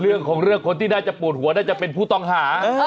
เรื่องของเรื่องคนที่น่าจะปวดหัวน่าจะเป็นผู้ต้องหา